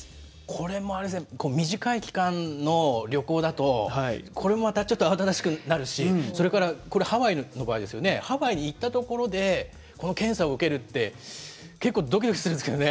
これもあれですね、短い期間の旅行だと、これもまたちょっと慌ただしくなるし、それからこれ、ハワイの場合ですよね、ハワイに行ったところで、この検査を受けるって、結構どきどきするんですけどね。